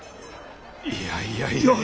いやいやいやいや。